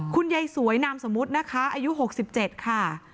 อ๋อคุณยายสวยนามสมมุตินะคะอายุหกสิบเจ็ดค่ะ